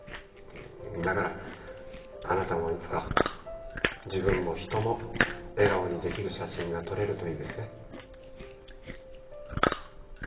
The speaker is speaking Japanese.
だからあなたもいつか自分も人も笑顔にできる写真が撮れるといいですね。